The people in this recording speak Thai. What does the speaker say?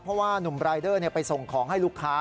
เพราะว่านุ่มรายเดอร์ไปส่งของให้ลูกค้า